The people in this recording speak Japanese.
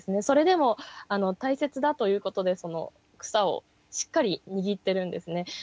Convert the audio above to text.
それでも大切だということでその草をしっかり握ってるんですね。